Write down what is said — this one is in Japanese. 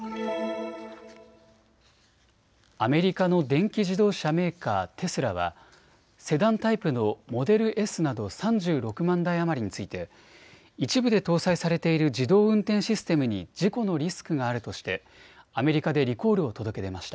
アメリカの電気自動車メーカー、テスラはセダンタイプのモデルＳなど３６万台余りについて一部で搭載されている自動運転システムに事故のリスクがあるとしてアメリカでリコールを届け出ました。